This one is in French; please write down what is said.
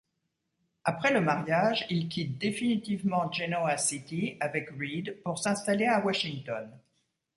Après le mariage, ils quittent définitivement Genoa City avec Reed pour s'installer à Washington.